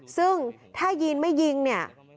ซึ่งถ้ายีนไม่ยิงเนี่ย